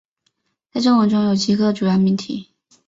在正文中有七个主要命题。